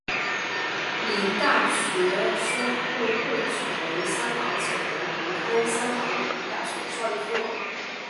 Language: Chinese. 理大学生会会址为香港九龙红磡香港理工大学邵逸夫楼。